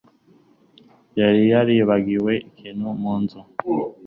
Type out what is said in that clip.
yari yaribagiwe ikintu mu nzu